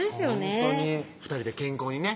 ほんとに２人で健康にね